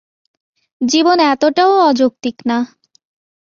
জীবন এতটাও অযৌক্তিক না!